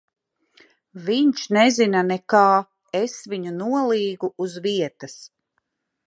Viņš nezina nekā. Es viņu nolīgu uz vietas.